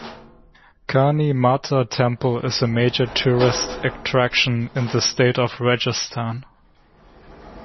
Karni Mata Temple is a major tourist attraction in the state of Rajasthan.